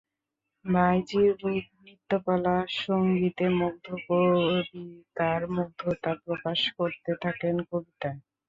বাইজির রূপ, নৃত্যকলা, সংগীতে মুগ্ধ কবি তাঁর মুগ্ধতা প্রকাশ করতে থাকেন কবিতায়।